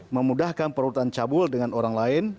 memudahkan perurutan cabul dengan orang lain